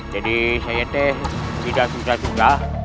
jadi aku tidak susah susah